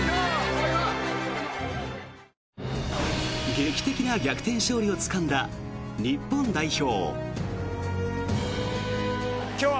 劇的な逆転勝利をつかんだ日本代表。